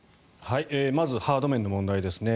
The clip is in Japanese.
まずハード面の問題ですね。